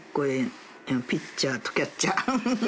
ピッチャーとキャッチャー」